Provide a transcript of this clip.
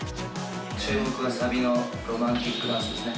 注目はサビのロマンティックダンスですね。